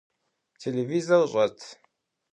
Телевизор щӏэт?